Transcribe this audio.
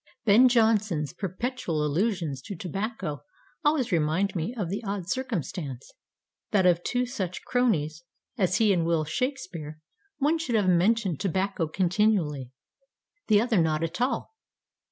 Ben Jonson's perpetual allusions to tobacco always remind one of the odd circumstance that of two such cronies as he and Will Shakespeare, one should have mentioned tobacco continually, the other not at all.